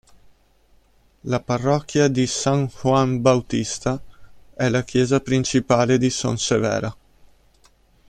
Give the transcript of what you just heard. La parrocchia di San Juan Bautista è la chiesa principale di Son Severa.